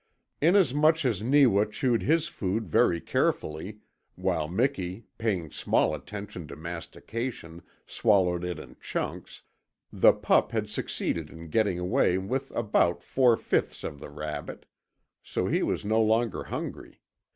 Inasmuch as Neewa chewed his food very carefully, while Miki, paying small attention to mastication, swallowed it in chunks, the pup had succeeded in getting away with about four fifths of the rabbit. So he was no longer hungry.